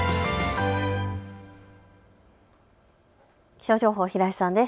気象情報、平井さんです。